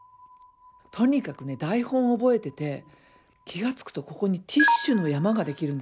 とにかくね台本覚えてて気が付くとここにティッシュの山ができるんですよ。